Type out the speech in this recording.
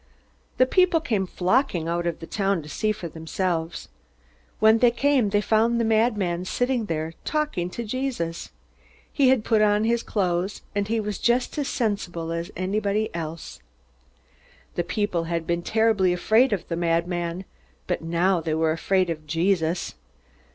The people came flocking out of the town to see for themselves. When they came they found the madman sitting there talking to Jesus. He had put on his clothes, and he was just as sensible as anybody else. The people had been terribly afraid of the madman, but now they were afraid of Jesus.